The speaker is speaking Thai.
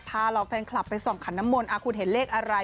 เหล่าแฟนคลับไปส่องขันน้ำมนต์คุณเห็นเลขอะไร